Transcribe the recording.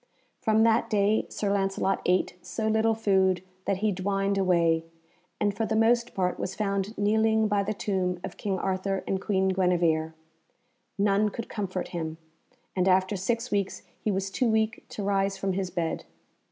From that day Sir Lancelot ate so little food that he dwined away, and for the most part was found kneeling by the tomb of King Arthur and Queen Guenevere. None could comfort him, and after six weeks he was too weak to rise from his bed.